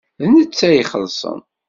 D netta ad ixellṣen.